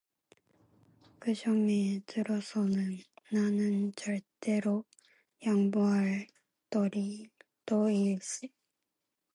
그 점에 들어서는 나는 절대로 양보할 터일세.